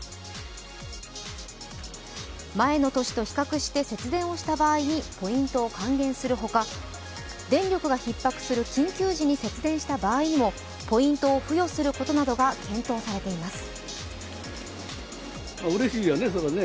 前の年と比較して、節電をした場合にポイントを還元するほか、電力がひっ迫する緊急時に節電した場合にもポイントを付与することなどが検討されています。